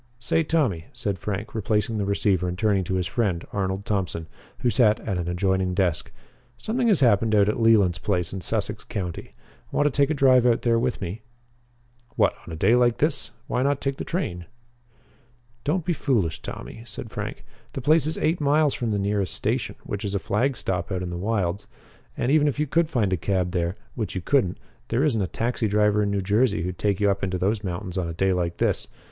"Say, Tommy," said Frank, replacing the receiver and turning to his friend, Arnold Thompson, who sat at an adjoining desk, "something has happened out at Leland's place in Sussex County. Want to take a drive out there with me?" "What? On a day like this? Why not take the train?" "Don't be foolish, Tommy," said Frank. "The place is eight miles from the nearest station, which is a flag stop out in the wilds. And, even if you could find a cab there which you couldn't there isn't a taxi driver in Jersey who'd take you up into those mountains on a day like this.